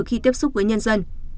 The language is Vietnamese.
khi tiếp xúc với nhân dân